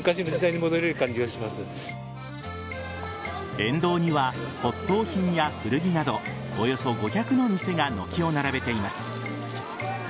沿道には、骨董品や古着などおよそ５００の店が軒を並べています。